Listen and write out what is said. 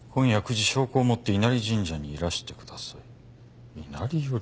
「今夜九時証拠を持って稲荷神社にいらして下さい」「稲荷より」